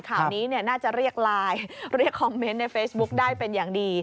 ข่าวนี้น่าจะเรียกไลน์เรียกคอมเมนต์ในเฟซบุ๊คได้เป็นอย่างดี